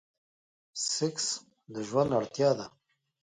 سيکس د ژوند اړتيا ده.